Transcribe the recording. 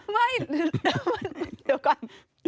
ไม่เดี๋ยวก่อน